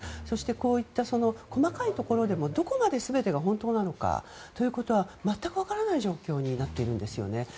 そしてこういった細かいところでもどこまで全てが本当なのかということは全くわからない状況になっているんですよね。